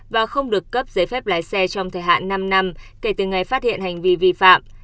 và không được cấp giấy phép lái xe trong thời hạn năm năm kể từ ngày phát hiện hành vi vi phạm